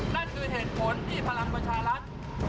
นั่นคือเหตุผลที่พลังประชารัฐ